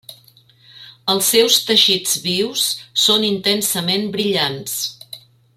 Els seus teixits vius són intensament brillants.